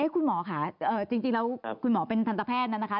คุณหมอค่ะจริงแล้วคุณหมอเป็นทันตแพทย์นั้นนะคะ